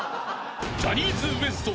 ［ジャニーズＷＥＳＴ